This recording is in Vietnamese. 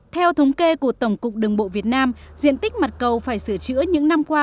theo thống kê của tổng cục đường bộ việt nam diện tích mặt cầu phải sửa chữa những năm qua